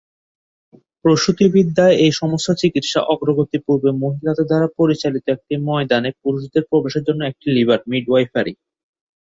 প্রসূতিবিদ্যায় এই সমস্ত চিকিৎসা অগ্রগতি পূর্বে মহিলাদের দ্বারা পরিচালিত একটি ময়দানে পুরুষদের প্রবেশের জন্য একটি লিভার-মিডওয়াইফারি।